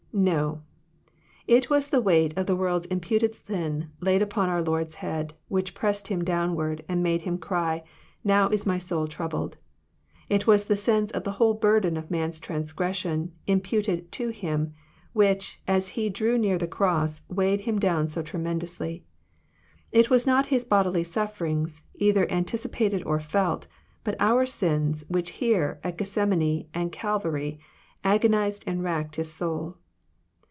— No ! it was the weight of the world's imputed sin laid upon our Lord's head, which pressed Him downward, and made Him cry, '* Now is my soul troubled." It was the sense of the whole burden of man's transgression Imputed to Him, which, as He drew near to the cross, weighed Him down so tremendously. It was not His bodily sufferings, either an ticipated or felt, but our sins, which here, at Gethsemane, and at Calvary, agonized and racked His soul.